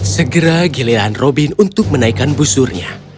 segera giliran robin untuk menaikkan busurnya